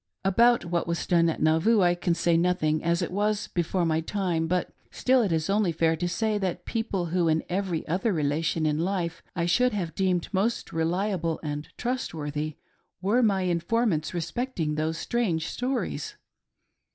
About what was done at Nauvoo I can say nothing, as it was before my time, but still it is only fair to say, that people who in every other rela tion in life I should have deemed most reliable and trustworthy were my informants respecting those strange stories.